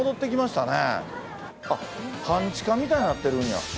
半地下みたいになってるんや。